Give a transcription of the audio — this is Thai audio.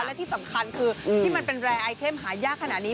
และที่สำคัญคือที่มันเป็นแรร์ไอเข้มหายากขนาดนี้